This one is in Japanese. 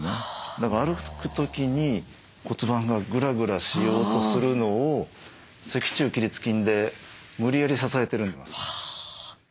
だから歩く時に骨盤がグラグラしようとするのを脊柱起立筋で無理やり支えてるんですよ。